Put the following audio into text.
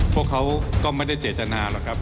พวกเขาก็ไม่ได้เจตนาหรอกครับ